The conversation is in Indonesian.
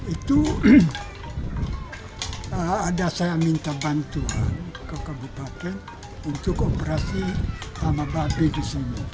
itu ada saya minta bantuan ke kabupaten untuk operasi sama babi di sini